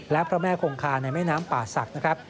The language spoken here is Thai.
และพระแม่คงคาในแม่น้ำป่าศักดิ์นะครับ